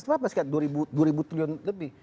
itu apa sekitar dua ribu triliun lebih